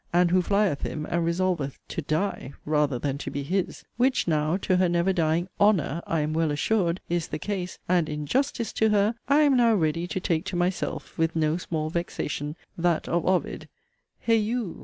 and who flieth him, and resolveth to 'die,' rather than to be his; which now, to her never dying 'honour' (I am well assured) is the case and, in 'justice' to her, I am now ready to take to myself (with no small vexation) that of Ovid, 'Heu!